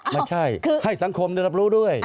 ไม่ใช่ให้สังคมได้รับรู้ด้วย